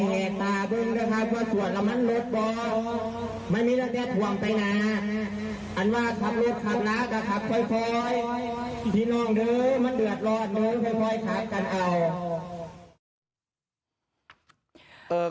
พี่น้องนึมันเดือดรอดนึกค่อยขับกันเอา